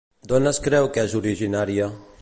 D'on es creu que és originària?